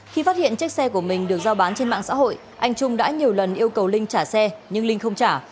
khi phát hiện chiếc xe của mình được giao bán trên mạng xã hội anh trung đã nhiều lần yêu cầu linh trả xe nhưng linh không trả